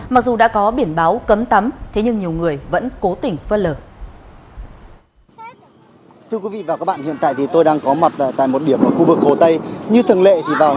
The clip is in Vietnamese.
mặc dù đã có biển báo cấm tắm thế nhưng nhiều người vẫn cố tỉnh phớt lờ